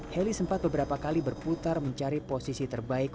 heli sempat beberapa kali berputar mencari posisi terbaik